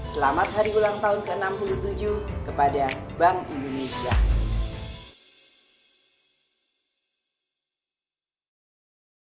selamat hari ulang tahun ke enam puluh tujuh kepada bank indonesia